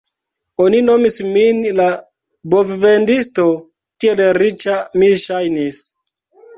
Oni nomis min la bovvendisto, tiel riĉa mi ŝajnis!